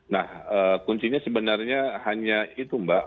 nah kuncinya sebenarnya hanya itu mbak